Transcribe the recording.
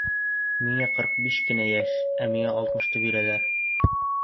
Миңә ҡырҡ биш кенә йәш, ә миңә алтмышты бирәләр!